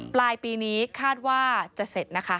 ปลายปีนี้คาดว่าจะเสร็จนะคะ